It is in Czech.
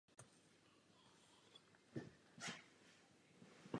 Je škoda, že v otázce postupů máme potíže zapojit Parlament.